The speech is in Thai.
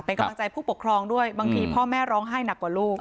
เป็นกำลังใจผู้ปกครองด้วยบางทีพ่อแม่ร้องไห้หนักกว่าลูก